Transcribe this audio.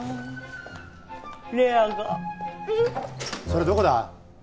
それどこだ？